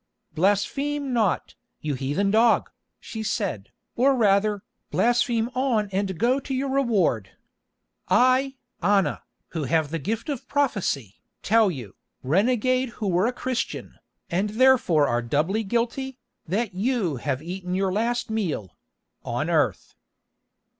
"Blaspheme not, you heathen dog!" she said, "or rather, blaspheme on and go to your reward! I, Anna, who have the gift of prophecy, tell you, renegade who were a Christian, and therefore are doubly guilty, that you have eaten your last meal—on earth."